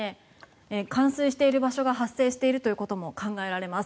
冠水している場所が発生していることも考えられます。